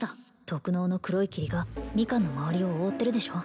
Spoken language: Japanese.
特濃の黒い霧がミカンの周りを覆ってるでしょ